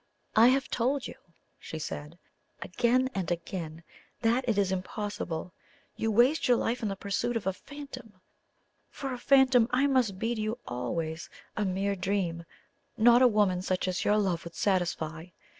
"I have told you," she said, "again and again that it is impossible. You waste your life in the pursuit of a phantom; for a phantom I must be to you always a mere dream, not a woman such as your love would satisfy.